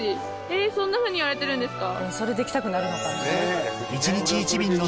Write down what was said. そんなふうにいわれてるんですか？